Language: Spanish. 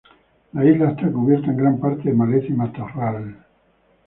La isla está cubierta en gran parte de maleza y matorral.